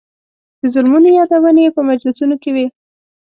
د ظلمونو یادونې یې په مجلسونو کې وې.